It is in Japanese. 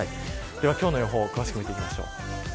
では今日の予報を詳しく見ていきます。